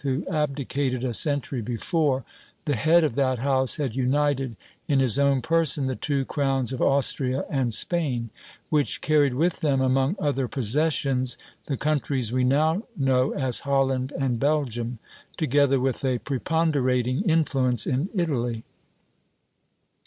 who abdicated a century before, the head of that house had united in his own person the two crowns of Austria and Spain, which carried with them, among other possessions, the countries we now know as Holland and Belgium, together with a preponderating influence in Italy.